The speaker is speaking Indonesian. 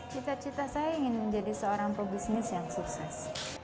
cita cita saya ingin menjadi seorang pebisnis yang sukses